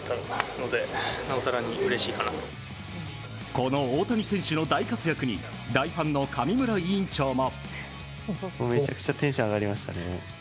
この大谷選手の大活躍に大ファンの上村院長も。